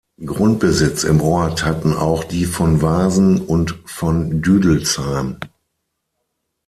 Grundbesitz im Ort hatten auch die von Wasen und "von Düdelsheim".